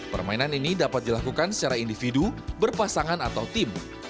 permainan ini dapat dilakukan secara individu berpasangan atau tim